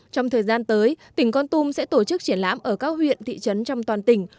trong thời gian tới tỉnh con tum sẽ tổ chức triển lãm ở các huyện thị trấn trong toàn tỉnh